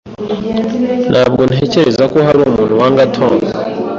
Ntabwo ntekereza ko hari umuntu wanga Tom.